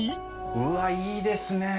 うわっいいですね。